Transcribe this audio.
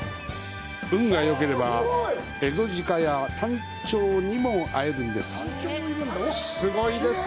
運がよければ、エゾジカやタンチョウにも会えるんです。